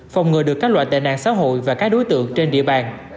phòng ngừa được các loại tệ nạn xã hội và các đối tượng trên địa bàn